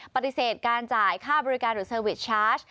ปฏิเสธการจ่ายค่าบริการหรือเซอร์วิสชาร์จ